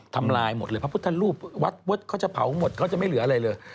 ทำลายหมดเลยพระพุทธรูปวัดวัดเขาจะเผาหมดเขาจะไม่เหลืออะไรเลย